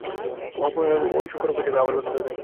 উহা পুনরায় ঐ সূক্ষ্মরূপে যাইবে, আবার ব্যক্ত হইবে।